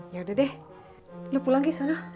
ya udah deh lu pulang ke sana